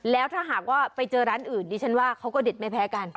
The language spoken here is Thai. แล้วถ้าหากว่าไปเจอร้านอื่นดิฉันว่าเขาก็เด็ดไม่แพ้กัน